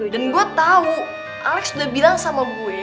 dan gue tau alex udah bilang sama gue